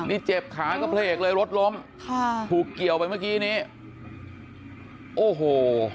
นี่เจ็บขาก็เผลกเลยลดลมถูกเกี่ยวไปเมื่อคีย์นี้โอ้โห